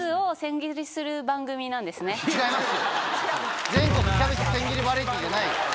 違います。